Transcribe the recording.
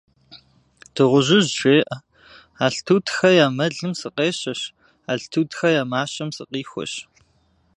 Дыгъужьыжь жеӀэ: «Алтутхэ я мэлым сыкъещэщ, Алтутхэ я мащэм сыкъихуэщ.».